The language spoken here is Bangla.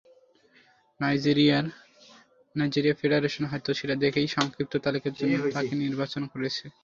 নাইজেরিয়া ফেডারেশন হয়তো সেটা দেখেই সংক্ষিপ্ত তালিকার জন্য তাঁকে নির্বাচন করেছে।